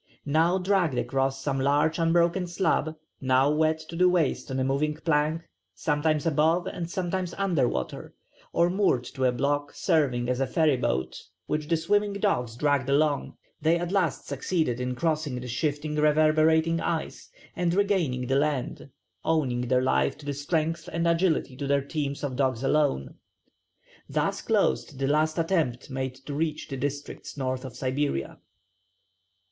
Now dragged across some large unbroken slab, now wet to the waist on a moving plank, sometimes above and sometimes under water, or moored to a block serving as a ferryboat, which the swimming dogs dragged along, they at last succeeded in crossing the shifting reverberating ice and regaining the land, owing their life to the strength and agility of their teams of dogs alone. Thus closed the last attempt made to reach the districts north of Siberia.